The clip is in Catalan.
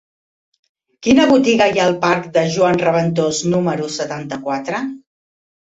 Quina botiga hi ha al parc de Joan Reventós número setanta-quatre?